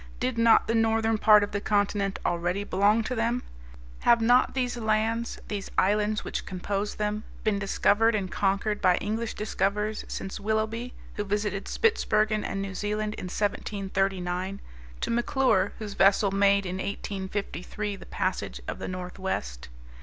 Did not the northern part of the continent already belong to them? Have not these lands, these islands which composed them, been discovered and conquered by English discoverers since Willoughby, who visited Spitsbergen and New Zealand in 1739, to McClure, whose vessel made in 1853 the passage of the northwest?